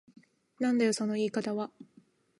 なんだよその言い方は。